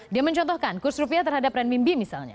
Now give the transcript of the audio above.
dia mencontohkan kurs rupiah terhadap renminbi misalnya